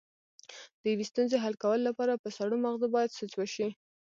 د یوې ستونزې حل کولو لپاره په سړو مغزو باید سوچ وشي.